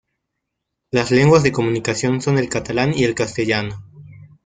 Las lenguas de comunicación son el catalán y el castellano.